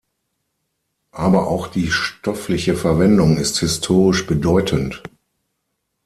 Aber auch die stoffliche Verwendung ist historisch bedeutend.